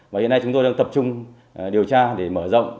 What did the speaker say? và hiện nay chúng tôi đang tập trung điều tra để mở rộng